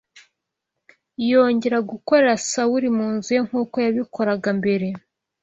yongera gukorera Sawuli mu nzu ye nk’uko yabikoraga mbere